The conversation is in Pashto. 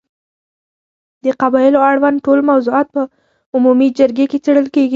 د قبایلو اړوند ټول موضوعات په عمومي جرګې کې څېړل کېږي.